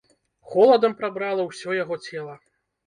Холадам прабрала ўсё яго цела.